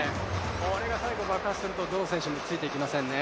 これが最後爆発すると、どの選手もついていけませんね。